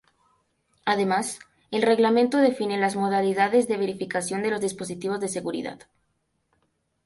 Además, el reglamento define las modalidades de verificación de los dispositivos de seguridad.